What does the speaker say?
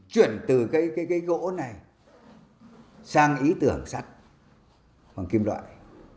chuyển từ cái gỗ này sang ý tưởng sắt bằng kim loại